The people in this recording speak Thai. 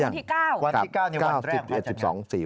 วันที่๙ในวันแรกของการจัดงาน